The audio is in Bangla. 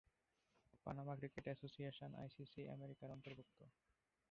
পানামা ক্রিকেট অ্যাসোসিয়েশন আইসিসি আমেরিকার অন্তর্ভুক্ত।